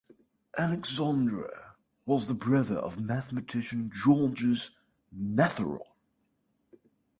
Alexandre was the brother of mathematician Georges Matheron.